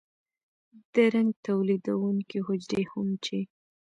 د رنګ تولیدونکي حجرې هم چې